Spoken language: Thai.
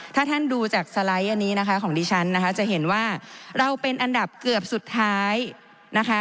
ถ้าท่านดูจากสไลด์อันนี้นะคะของดิฉันนะคะจะเห็นว่าเราเป็นอันดับเกือบสุดท้ายนะคะ